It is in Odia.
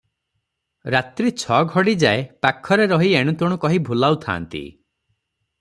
ରାତ୍ରି ଛ ଘଡ଼ି ଯାଏ ପାଖରେ ରହି ଏଣୁ ତେଣୁ କହି ଭୁଲାଉଥାନ୍ତି;